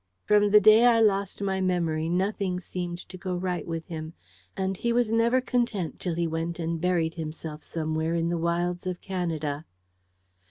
From the day I lost my memory, nothing seemed to go right with him; and he was never content till he went and buried himself somewhere in the wilds of Canada.